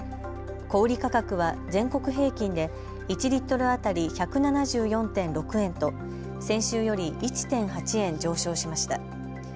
小売価格は全国平均で１リットル当たり１７４．６円と先週より１．８円上昇しました。